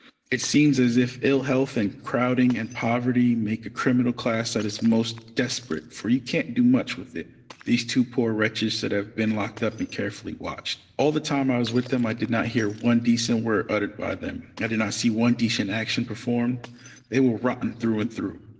It seems as if ill health, and crowding and poverty, make a criminal class that is the most desperate, for you can't do much with it. These two poor wretches should have been locked up and carefully watched. All the time I was with them I did not hear one decent word uttered by them, I did not see one decent action performed. They were rotten through and through.